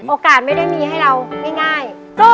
โอกาสไม่ได้มีให้เราง่าย